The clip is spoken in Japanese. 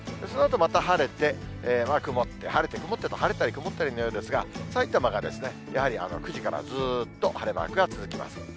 そのあとまた晴れて、曇って、晴れて、曇ったりと、晴れたり曇ったりのようですが、さいたまがやはり９時からずっと晴れマークが続きます。